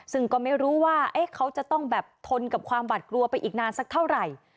ซึ่งก็ไม่รู้ว่าเขาจะต้องแบบทนกับความหวัดกลัวไปอีกนานสักเท่าไหร่